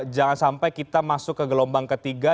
jangan sampai kita masuk ke gelombang ketiga